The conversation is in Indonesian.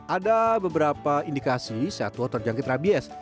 ada beberapa indikasi satwa terjangkit rabies